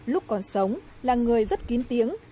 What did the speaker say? lúc còn sống là người rất kín tiếng